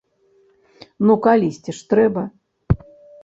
Ну калісьці ж трэба.